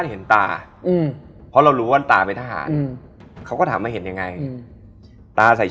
นี่เหตุการณ์แรกนะ